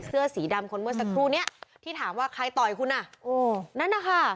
เสื้อสีดำคนเมื่อสักครู่เนี่ยที่ถามว่าเป็นอะไร